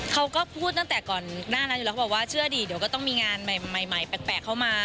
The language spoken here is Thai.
เขาก็พูดตั้งแต่ก่อนหน้านั้นอยู่แล้วเขาบอกว่าเชื่อดิเดี๋ยวก็ต้องมีงานใหม่แปลกเข้ามา